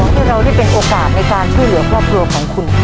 ให้เราได้เป็นโอกาสในการช่วยเหลือครอบครัวของคุณ